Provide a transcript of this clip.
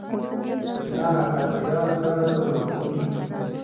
نه کافران ځانته وربولي.